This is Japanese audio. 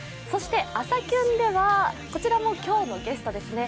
そして、「朝キュン」ではこちらも今日のゲストです。